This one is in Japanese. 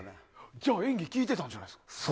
じゃあ演技効いてたんじゃないんですか。